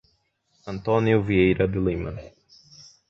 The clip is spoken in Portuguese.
Antônio Vieira de Lima